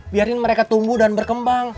biarin mereka tumbuh dan berkembang